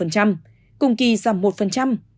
cùng kỳ giảm một